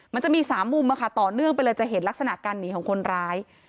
มันจะมี๓มุมต่อเนื่องไปเลยจะเห็นลักษณะการหนีของคนร้าย